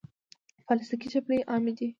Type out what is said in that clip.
پلاستيکي چپلی عامې دي.